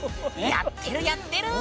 やってるやってる！